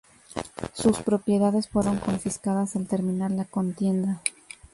Sus propiedades fueron confiscadas al terminar la contienda.